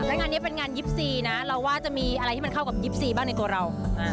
และงานนี้เป็นงาน๒๔นะเราว่าจะมีอะไรที่มันเข้ากับ๒๔บ้างในตัวเรา